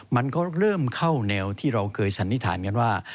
มันก็เริ่มเข้าแนวที่เราเคยสันนิษฐานกันว่า